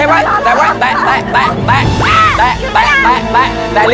วิ่งไปเลย